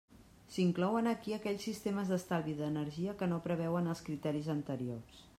S'inclouen aquí aquells sistemes d'estalvi d'energia que no preveuen els criteris anteriors.